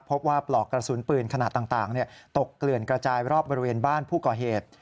ปลอกกระสุนปืนขนาดต่างตกเกลื่อนกระจายรอบบริเวณบ้านผู้ก่อเหตุ